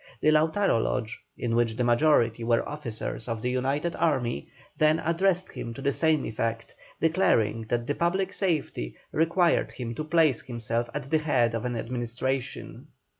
The Lautaro Lodge, in which the majority were officers of the united army, then addressed him to the same effect, declaring that the public safety required him to place himself at the head of an administration.